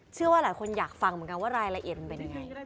เชื่อว่าหลายคนอยากฟังเหมือนกันว่ารายละเอียดมันเป็นยังไง